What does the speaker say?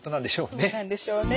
どうなんでしょうね。